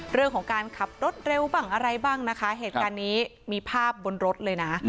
เรื่องของการขับรถเร็วบ้างอะไรบ้างนะคะเหตุการณ์นี้มีภาพบนรถเลยนะ